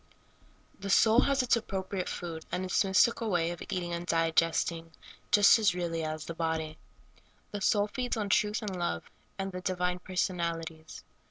THE soul has its appropriate food, and its mystical wa}' of eating and digesting, just as really as the body. The soul feeds on truth and love, and the di vine personalities.